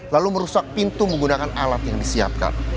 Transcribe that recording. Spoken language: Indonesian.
lalu merusak pintu menggunakan alat yang disiapkan